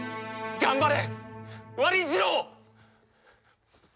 頑張れ！